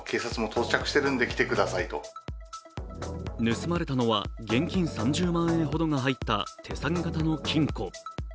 盗まれたのは現金３０万円ほどが入った手提げ型の金庫。